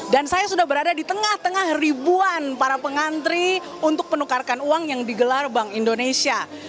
dan saya sudah berada di tengah tengah ribuan para pengantri untuk penukarkan uang yang digelar bank indonesia